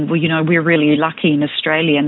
kita sangat beruntung di australia